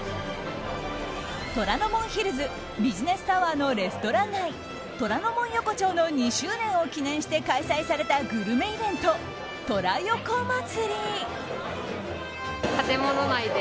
虎ノ門ヒルズビジネスタワーのレストラン街虎ノ門横丁の２周年を記念して開催されたグルメイベント、虎横祭。